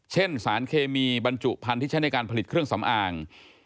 เช่นสารเคมีบรรจุพันธุ์ที่ใช้ในการผลิตเครื่องสำอาง